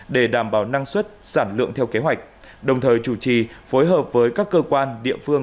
để đảm bảo năng suất sản lượng theo kế hoạch đồng thời chủ trì phối hợp với các cơ quan địa phương